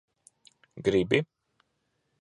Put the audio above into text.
Gribi?